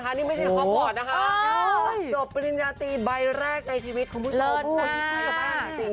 กับจะจบปริญญาตีใบแรกในชีวิตของผู้ชม